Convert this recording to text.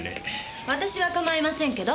私は構いませんけど。